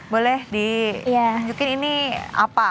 boleh di lanjutin ini apa